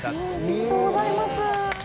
おめでとうございます。